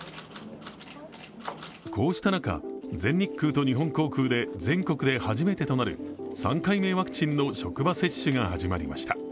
こうした中、全日空と日本航空で全国で初めてとなる３回目ワクチンの職場接種が始まりました。